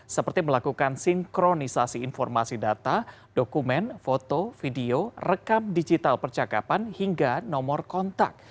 seperti melakukan sinkronisasi informasi data dokumen foto video rekam digital percakapan hingga nomor kontak